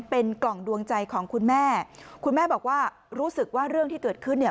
เป็นกล่องดวงใจของคุณแม่คุณแม่บอกว่ารู้สึกว่าเรื่องที่เกิดขึ้นเนี่ย